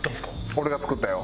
俺が作ったよ。